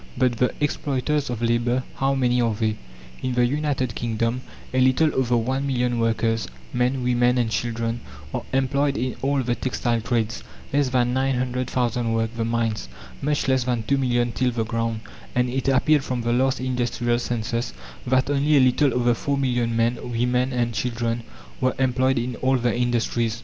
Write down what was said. But the exploiters of labour, how many are they? In the United Kingdom a little over one million workers men, women, and children, are employed in all the textile trades; less than nine hundred thousand work the mines; much less than two million till the ground, and it appeared from the last industrial census that only a little over four million men, women and children were employed in all the industries.